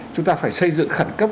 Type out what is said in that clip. chúng ta phải xây dựng khẩn cấp